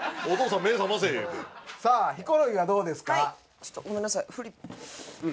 ちょっとごめんなさいフリップ。